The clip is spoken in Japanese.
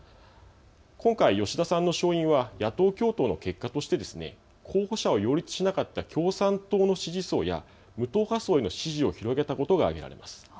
今回、吉田さんの勝因は野党共闘の結果として候補者を擁立しなかった共産党の支持層や無党派層への支持を広げたことが挙げられます。